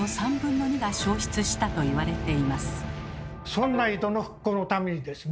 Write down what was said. そんな江戸の復興のためにですね